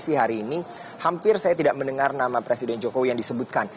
di hari ini hampir saya tidak mendengar nama presiden jokowi yang disebutkan